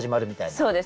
そうです。